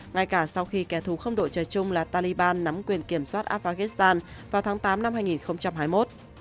ngay cả sau khi kẻ thù không đội trời chung là taliban nắm quyền kiểm soát afghanistan vào tháng tám năm hai nghìn hai mươi một